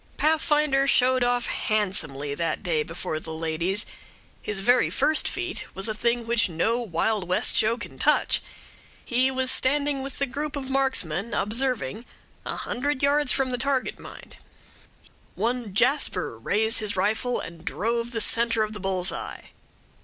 Pathfinder showed off handsomely that day before the ladies. His very first feat was a thing which no Wild West show can touch. He was standing with the group of marksmen, observing a hundred yards from the target, mind; one Jasper raised his rifle and drove the centre of the bull's eye.